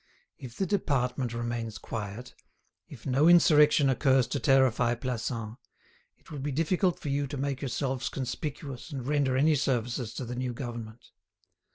"If the department remains quiet, if no insurrection occurs to terrify Plassans, it will be difficult for you to make yourselves conspicuous and render any services to the new government.